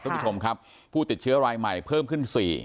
คุณผู้ชมครับผู้ติดเชื้อรายใหม่เพิ่มขึ้น๔